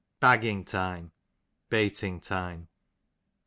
Bagging time, baiting time.